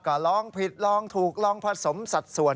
ก็ลองผิดลองถูกลองผสมสัดส่วน